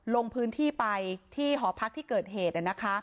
ลงพื้นที่ไปที่หอพักที่เกิดเหตุ